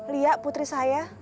lia putri saya